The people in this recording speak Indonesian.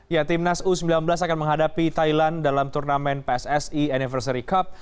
ya timnas u sembilan belas akan menghadapi thailand dalam turnamen pssi anniversary cup